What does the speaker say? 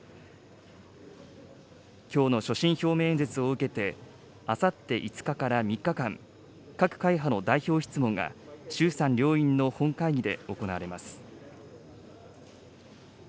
きょうの所信表明演説を受けて、あさって５日から３日間、各会派の代表質問が、衆参両院の本会議で行われます。